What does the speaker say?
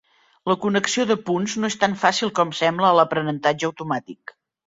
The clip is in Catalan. La connexió de punts no és tan fàcil com sembla a l'aprenentatge automàtic.